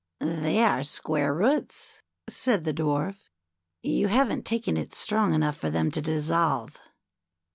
^^They are square roots/' said the Dwarf. You haven't taken it strong enough for them to dissolve."